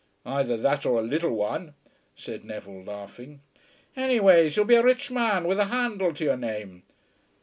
"Either that or a little one," said Neville, laughing. "Anyways you'll be a rich man with a handle to your name.